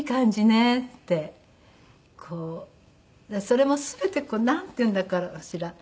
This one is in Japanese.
それも全てこうなんていうのかしら